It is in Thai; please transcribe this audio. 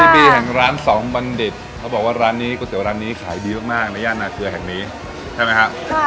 พี่ปีแห่งร้าน๒บันดิตเขาบอกว่าร้านนี้กุศิวร้านนี้ขายดีมากในย่านนาชาวแห่งนี้ใช่ไหมครับ